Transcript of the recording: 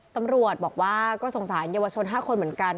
ตำรวจบอกว่าก็สงสารเยาวชน๕คนเหมือนกัน